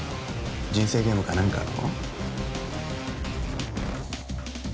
人生ゲームか何かの？